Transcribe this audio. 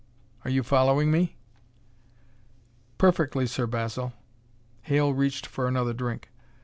Are you following me?" "Perfectly, Sir Basil." Hale reached for another drink.